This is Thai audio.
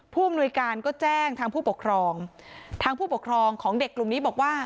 ผู้อำนวยการก็แจ้งทางผู้ปกครองทางผู้ปกครองของเด็กกลุ่มนี้บอกว่า